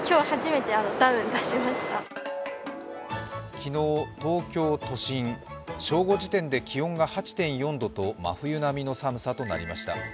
昨日、東京都心、正午時点で気温が８．４度と真冬並みの寒さとなりました。